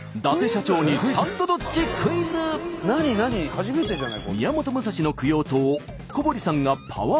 初めてじゃない？